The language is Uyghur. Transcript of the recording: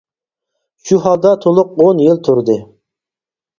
شۇ ھالدا تۇلۇق ئون يىل تۇردى.